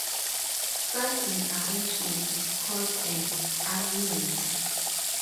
Such an arrangement is called an annuity.